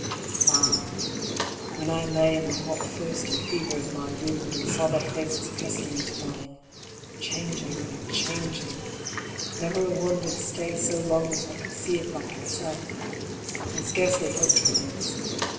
Ah, when I lay in the hot thirst and fever of my wound, and saw their faces pressing into mine, changing and changing, never a one would stay so long that I could see it like itself, I scarcely hoped for this.